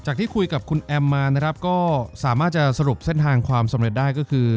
ที่คุยกับคุณแอมมานะครับก็สามารถจะสรุปเส้นทางความสำเร็จได้ก็คือ